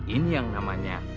ini yang namanya